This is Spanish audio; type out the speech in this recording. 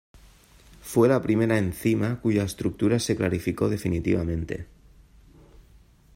Fue la primera enzima cuya estructura se clarificó definitivamente.